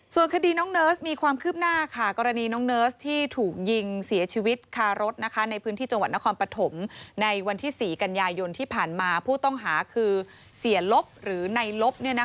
ส่วนคดีน้องเนิร์สมีความคืบหน้าค่ะกรณีน้องเนิร์สที่ถูกยิงเสียชีวิตคารถในพื้นที่จังหวัดนครปฐมในวันที่๔กันยายนที่ผ่านมาผู้ต้องหาคือเสียลบหรือในลบ